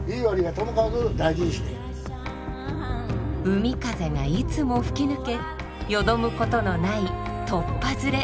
海風がいつも吹き抜けよどむことのないとっぱずれ。